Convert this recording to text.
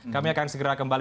kami akan segera kembali